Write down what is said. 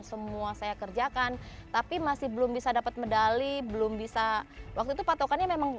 semua saya kerjakan tapi masih belum bisa dapat medali belum bisa waktu itu patokannya memang